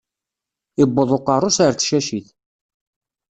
Iwweḍ uqeṛṛu-s ar tcacit.